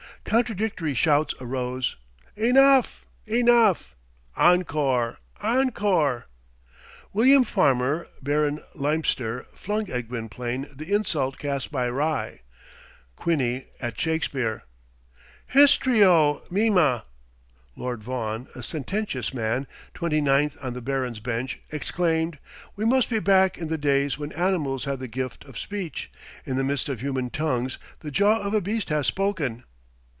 Contradictory shouts arose, "Enough! enough!" "Encore! encore!" William Farmer, Baron Leimpster, flung at Gwynplaine the insult cast by Ryc Quiney at Shakespeare, "Histrio, mima!" Lord Vaughan, a sententious man, twenty ninth on the barons' bench, exclaimed, "We must be back in the days when animals had the gift of speech. In the midst of human tongues the jaw of a beast has spoken."